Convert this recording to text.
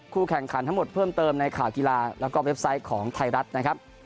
แข่งขันทั้งหมดเพิ่มเติมในข่าวกีฬาแล้วก็เว็บไซต์ของไทยรัฐนะครับ